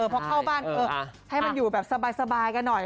พอเข้าบ้านให้มันอยู่แบบสบายกันหน่อย